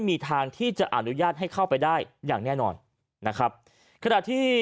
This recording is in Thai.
มีทางที่จะอนุญาตให้เข้าไปได้อย่างแน่นอนนะครับขณะที่